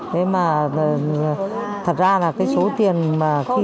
thế mà thật ra là cái số tiền mà khi